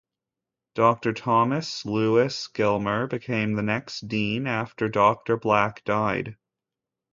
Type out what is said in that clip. Doctor Thomas Lewis Gilmer became the next dean after Doctor Black died.